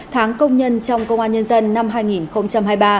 tháng công nhân trong công an nhân dân năm hai nghìn hai mươi ba